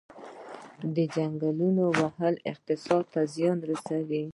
د ځنګلونو وهل اقتصاد ته زیان رسوي؟